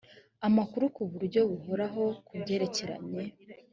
amakuru ku buryo buhoraho ku byerekeranye